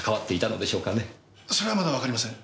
それはまだわかりません。